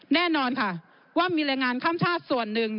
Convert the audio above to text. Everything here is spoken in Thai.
แน่นอนค่ะว่ามีแรงงานข้ามชาติส่วนหนึ่ง